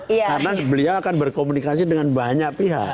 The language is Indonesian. karena beliau akan berkomunikasi dengan banyak pihak